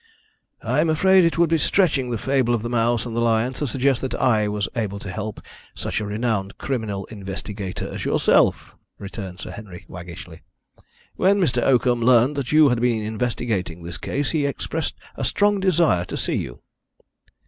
"I am afraid it would be stretching the fable of the mouse and the lion to suggest that I was able to help such a renowned criminal investigator as yourself," returned Sir Henry waggishly. "When Mr. Oakham learnt that you had been investigating this case he expressed a strong desire to see you."